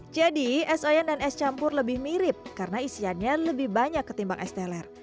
jadi es oyen dan es campur lebih mirip karena isiannya lebih banyak ketimbang es teler